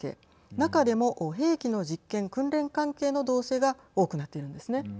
中でも兵器の実験・訓練関係の動静が多くなっているんですね。